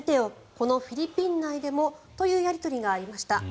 このフィリピン内でもというやり取りがありました。